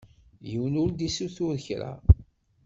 Yiwen ur d-isuter kra.